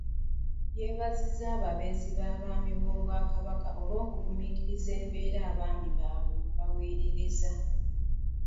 Yeebazizza ababeezi b'abaami ba Kabaka olw'okugumiikiriza embeera abaami baabwe mwe baweerereza.